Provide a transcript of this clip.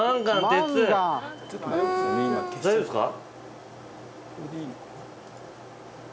大丈夫ですか？